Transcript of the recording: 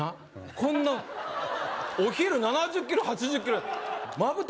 こんなお昼７０ｋｇ８０ｋｇまぶた